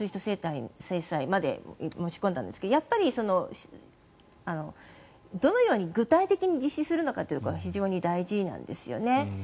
制裁まで持ち込んだんですがやっぱり、どのように具体的に実施するのかが非常に大事なんですよね。